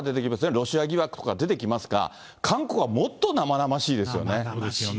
ロシア疑惑とか出てきますが、韓国はもっと生々しいですよね。